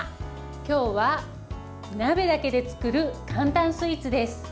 今日は鍋だけで作る簡単スイーツです。